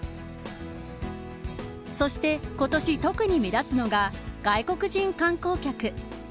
そして今年、特に目立つのが外国人観光客。